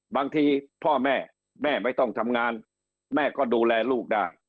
พ่อแม่แม่ไม่ต้องทำงานแม่ก็ดูแลลูกได้